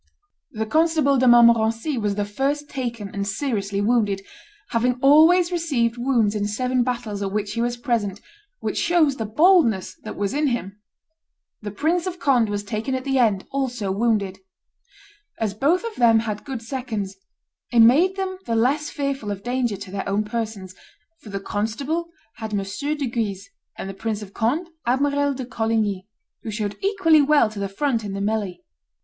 The Constable de Montmorency was the first taken, and seriously wounded, having always received wounds in seven battles at which he was present, which shows the boldness that was in him. The Prince of Conde was taken at the end, also wounded. As both of them had good seconds, it made them the less fearful of danger to their own persons, for the constable had M. de Guise, and the Prince of Conde Admiral de Coligny, who showed equally well to the front in the melley.